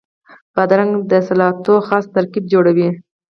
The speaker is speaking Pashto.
بادرنګ د سلاتو خاص ترکیب جوړوي.